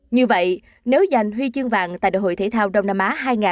như vậy nếu giành huy chương vàng tại đại hội thể thao đông nam á hai nghìn hai mươi bốn